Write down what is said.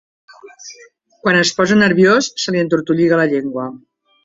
Quan es posa nerviós, se li entortolliga la llengua.